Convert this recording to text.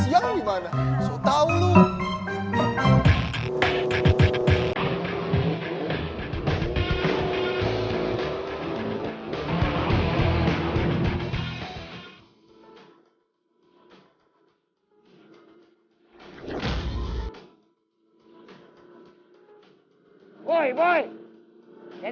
lo berdua penasaran